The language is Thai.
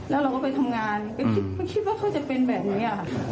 แล้วเราก็ไปทำงานก็ไม่คิดไม่คิดว่าเขาจะเป็นแบบนี้ค่ะ